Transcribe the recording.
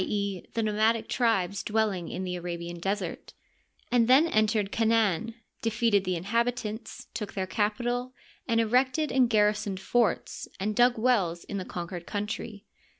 e., the nomadic tribes dwelling in the Arabian Desert — ^and then entered Canaan, defeated the inhabitants, took their capital, and erected and gar risoned forts and dug wells in the conauered countiy.